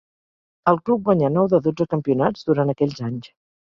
El club guanyà nou de dotze campionats durant aquells anys.